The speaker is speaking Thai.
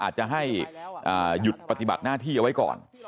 อาจจะให้หยุดปฏิบัติหน้าที่เอาไว้ก่อน